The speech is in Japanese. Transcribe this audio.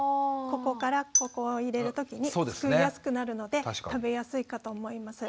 ここからこう入れるときにすくいやすくなるので食べやすいかと思います。